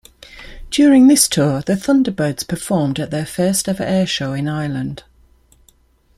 During this tour, the Thunderbirds performed at their first-ever air show in Ireland.